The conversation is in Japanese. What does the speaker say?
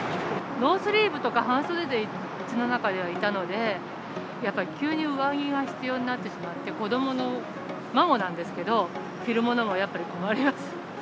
ノースリーブとか半袖でうちの中ではいたので、やっぱり急に上着が必要になってしまって、子どもの、孫なんですけど、着るものもやっぱり困ります。